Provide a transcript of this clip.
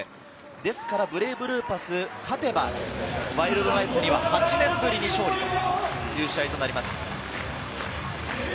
ですからブレイブルーパスは、勝てばワイルドナイツには８年ぶりという試合になります。